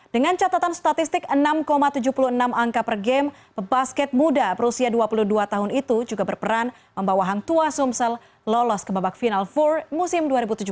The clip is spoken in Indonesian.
dengan catatan statistik enam tujuh puluh enam angka per game pebasket muda berusia dua puluh dua tahun itu juga berperan membawa hang tua sumsel lolos ke babak final for musim dua ribu tujuh belas